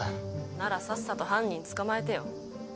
ならさっさと犯人捕まえてよ。